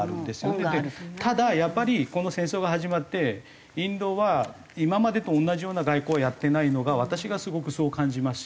ただやっぱりこの戦争が始まってインドは今までと同じような外交をやってないのが私がすごくそう感じますし。